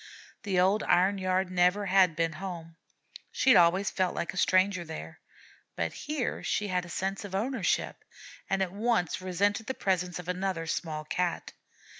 The old iron yard never had been home, she had always felt like a stranger there; but here she had a sense of ownership, and at once resented the presence of another small Cat.